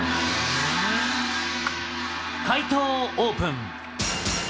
解答をオープン。